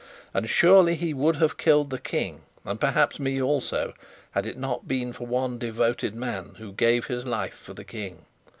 And surely he would have killed the King, and perhaps me also, had it not been for one devoted man who gave his life for the King.